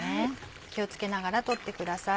気を付けながら取ってください。